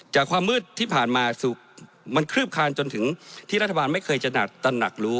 จากความมืดที่ผ่านมาสู่มันครืบคลานจนถึงที่รัฐบาลไม่เคยจะหนักรู้